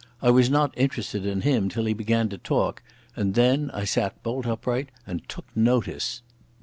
I was not interested in him till he began to talk, and then I sat bolt upright and took notice.